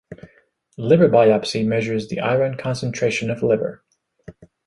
Liver biopsy measures the iron concentration of liver.